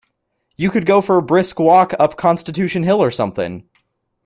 You could go for a brisk walk up Constitution Hill or something.